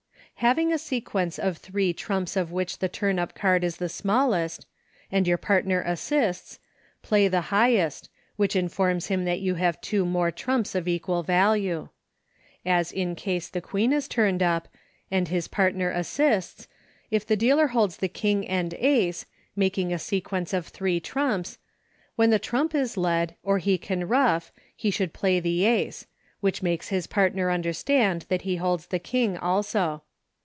Having a sequence of three trumps of which the turn up card is the smallest, and your partner assists, play the highest, which informs him that you. have two more trumps HINTS TO TYROS, 127 of equal value. As in case tte Queen is turned up, and his partner assists, if the dealer holds the King and Ace, making a sequence of three trumps, when the trump is led, or he can ruff, he should play the Ace, which makes his partner understand that he holds the King also.